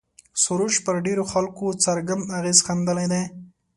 سروش پر ډېرو خلکو څرګند اغېز ښندلی دی.